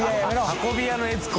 運び屋の悦子。